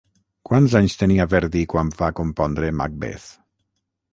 Quants anys tenia Verdi quan va compondre Macbeth?